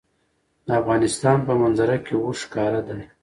د افغانستان په منظره کې اوښ ښکاره ده.